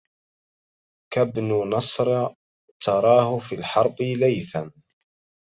كابن نصر تراه في الحرب ليثا